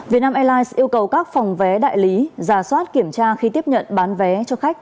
việt nam airlines yêu cầu các phòng vé đại lý giả soát kiểm tra khi tiếp nhận bán vé cho khách